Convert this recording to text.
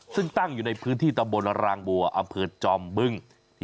ซึ่งตั้งอยู่ในพื้นที่ตำบลรางบัวอำเภอจอมบึ้ง